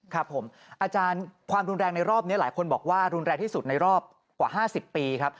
ครับผมอาจารย์ความรุนแรงในรอบนี้หลายคนบอกว่ารุนแรงที่สุดในรอบกว่า๕๐ปีครับ